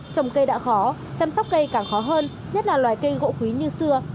trồng cây đã khó chăm sóc cây càng khó hơn nhất là loài cây gỗ quý như xưa